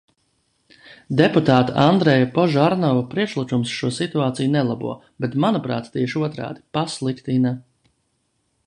Deputāta Andreja Požarnova priekšlikums šo situāciju nelabo, bet, manuprāt, tieši otrādi, pasliktina.